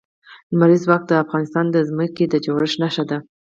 لمریز ځواک د افغانستان د ځمکې د جوړښت نښه ده.